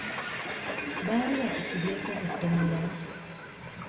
Baali bakusibyeko mu kkomera?